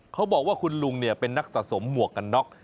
เขาบอกว่าคุณลุงเป็นนักสะสมหมวกกันน็อก